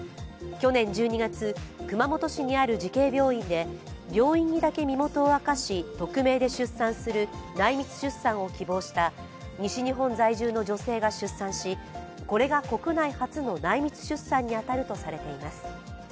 去年１２月、熊本市にある慈恵病院で病院にだけ身元を明かし、匿名で出産する内密出産を希望した西日本在住の女性が出産し、これが国内初の内密出産に当たるとされています。